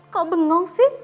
kok bengong sih